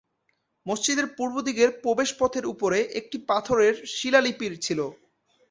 মসজিদের পূর্বদিকের প্রবেশপথের উপরে একটি পাথরের শিলালিপি ছিল।